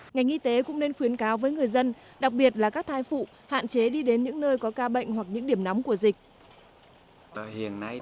ngành y tế cũng nên khuyến cáo với người dân đặc biệt là các thai phụ hạn chế đi đến những nơi có ca bệnh hoặc những điểm nóng của dịch